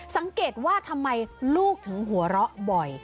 สังเกตว่าทำไมลูกถึงหัวเราะบ่อย